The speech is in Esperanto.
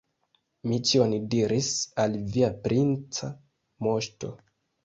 Mi ĉion diris al via princa moŝto.